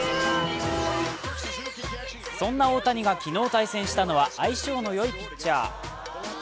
そんな大谷が昨日対戦したのは相性のよいピッチャー。